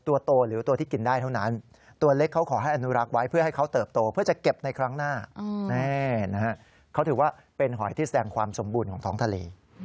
ว่าเป็นหอยที่แสดงความสมบูรณ์ของท้องทะเล